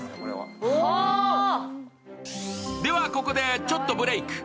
ここで、ちょっとブレーク。